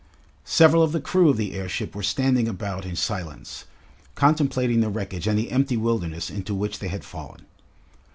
Several of the crew of the airship were standing about in silence, contemplating the wreckage and the empty wilderness into which they had fallen.